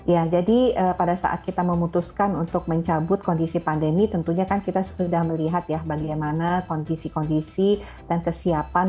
ya jadi pada saat kita memutuskan untuk mencabut kondisi pandemi tentunya kan kita sudah melihat ya bagaimana kondisi kondisi dan kesiapan